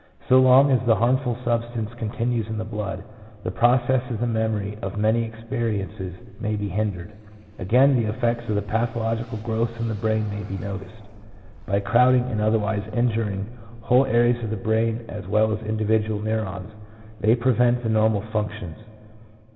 So long as the harmful substance continues in the blood, the process of the memory of many experiences may be hindered. Again the effects of the pathological growths in the brain may be noticed. By crowding and otherwise injuring whole areas of the brain as well as individual neurons, they prevent the normal functions.